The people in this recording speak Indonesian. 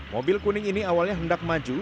mobil kuning ini awalnya hendak maju